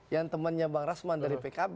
yang temannya bang rasman dari pkb